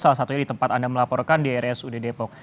salah satunya di tempat anda melaporkan di rsud depok